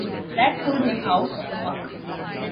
That pulled him out of the muck.